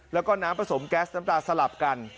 แล้วก็น้ำผสมแก๊สน้ำตาสลับกัน